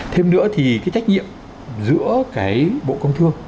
thêm nữa thì cái trách nhiệm giữa cái bộ công thương